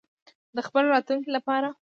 د خپل راتلونکي لپاره.